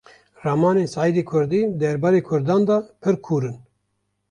Ramanên Seîdê Kurdî derbarê Kurdan de pir kûr in